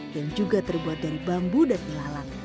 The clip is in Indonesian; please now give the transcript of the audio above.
yang juga terbuat dari bambu dan ilalang